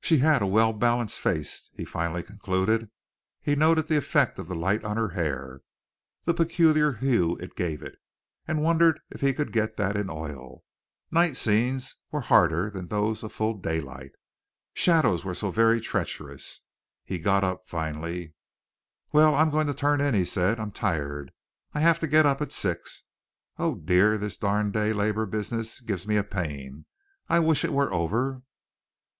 She had a well balanced face, he finally concluded. He noted the effect of the light on her hair the peculiar hue it gave it and wondered if he could get that in oil. Night scenes were harder than those of full daylight. Shadows were so very treacherous. He got up finally. "Well, I'm going to turn in," he said. "I'm tired. I have to get up at six. Oh, dear, this darn day labor business gives me a pain. I wish it were over."